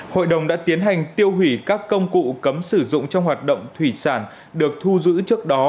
hội đồng đã tiến hành tiêu hủy các công cụ cấm sử dụng trong hoạt động thủy sản được thu giữ trước đó